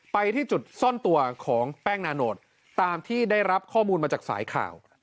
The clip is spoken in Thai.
ไปที่จุดซ่อนตัวของแป้งนาโนตตามที่ได้รับข้อมูลมาจากสายข่าว